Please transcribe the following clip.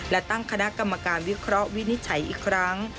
และตั้งคณะกรรมการวิเคราะห์วินิจฉัยอีกครั้ง